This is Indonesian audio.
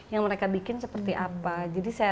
yang mereka bikin seperti apa jadi saya